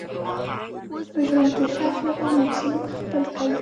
په ژوند کي ښه اخلاق او نېک سلوک خپل کئ.